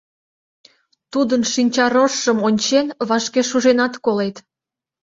Тудын шинча рожшым ончен, вашке шуженат колет...